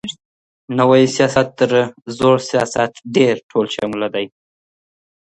نوی سياست تر زوړ سياست ډېر ټولشموله دی.